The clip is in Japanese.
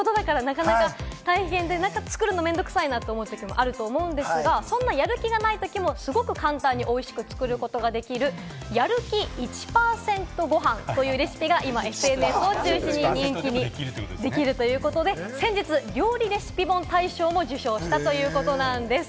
毎食のことだから面倒くさいなと思うこともあると思うんですが、そんな、やる気がないときでも、簡単においしいく作ることができる、やる気１％ごはんというレシピが今、ＳＮＳを中心に人気で、先日、料理レシピ本大賞も受賞したということなんです。